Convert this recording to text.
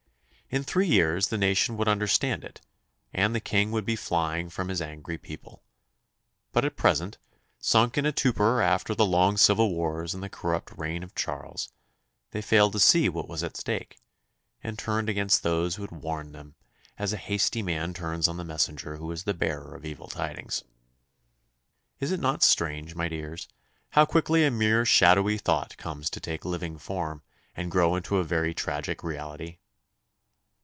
In three years the nation would understand it, and the King would be flying from his angry people; but at present, sunk in a torpor after the long civil wars and the corrupt reign of Charles, they failed to see what was at stake, and turned against those who would warn them, as a hasty man turns on the messenger who is the bearer of evil tidings. Is it not strange, my dears, how quickly a mere shadowy thought comes to take living form, and grow into a very tragic reality?